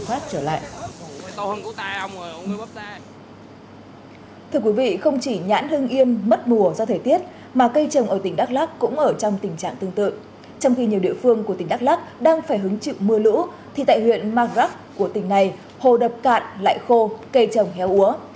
thưa quý vị không chỉ nhãn hưng yên mất mùa do thời tiết mà cây trồng ở tỉnh đắk lắc cũng ở trong tình trạng tương tự trong khi nhiều địa phương của tỉnh đắk lắc đang phải hứng chịu mưa lũ thì tại huyện magrac của tỉnh này hồ đập cạn lại khô cây trồng héo úa